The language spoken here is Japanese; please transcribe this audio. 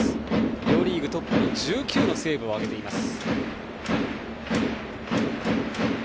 両リーグトップの１９セーブを挙げています。